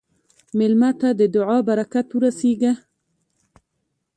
مېلمه ته د دعا برکت ورسېږه.